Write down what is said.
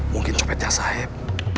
mungkin copetnya sahib